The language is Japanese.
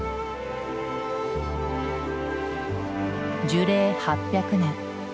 樹齢８００年。